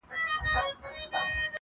• بې فایده وه چي وهله یې زورونه -